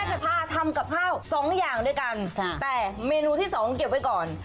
คุณแม่จะพาทำกับข้าว๒อย่างด้วยกันค่ะแต่เมนูที่๒เก็บไว้ก่อน